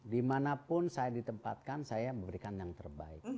dimanapun saya ditempatkan saya memberikan yang terbaik